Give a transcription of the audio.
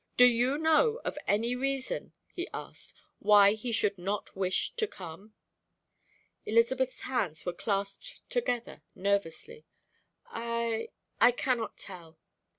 "Do you know of any reason," he asked, "why he should not wish to come?" Elizabeth's hands were clasped together nervously. "I I cannot tell."